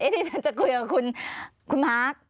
ที่ฉันจะคุยกับคุณมาร์ค